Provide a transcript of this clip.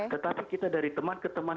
tetapi kita dari teman ke teman